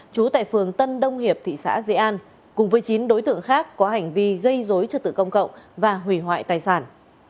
trú tại phường tân đông hiệp tp hcm cùng với chín đối tượng khác có hành vi gây dối trật tự công cộng và hủy hoại tài sản